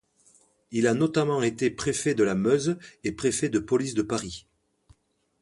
Il a notamment été préfet de la Meuse et préfet de police de Paris.